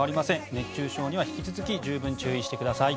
熱中症には引き続き十分注意してください。